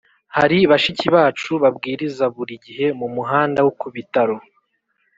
Hari bashiki bacu babwiriza buri gihe mu muhanda wo ku bitaro